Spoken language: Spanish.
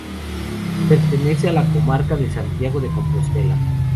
Pertenece a la comarca de Santiago de Compostela.